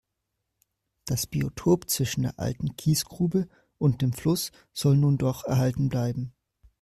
Das Biotop zwischen der alten Kiesgrube und dem Fluss soll nun doch erhalten bleiben.